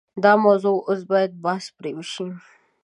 دا موضوع اوس باید بحث پرې وشي.